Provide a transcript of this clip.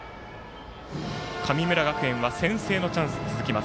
神村学園は先制のチャンス、続きます。